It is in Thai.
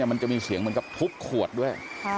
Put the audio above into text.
มันจะมีเสียงเหมือนกับทุบขวดด้วย